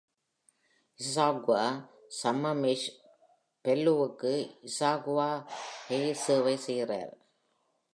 இசாக்வா, சம்மமிஷ், பெல்லூவுக்கு இசாகுவா high சேவை செய்கிறார்.